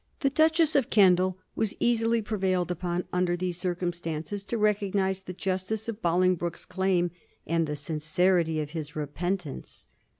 The Duchess of Kendal was easily prevailed upon, under these circumstances, to recog nise the justice of Bolingbroke's claim and the sin cerity of his repentance.